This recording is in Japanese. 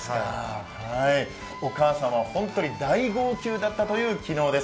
お母様、本当に大号泣だったという昨日です。